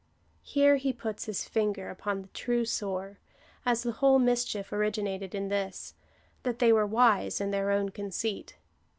Here he puts his finger upon the true sore, as the whole mischief originated in this —that they were wise in their own conceit.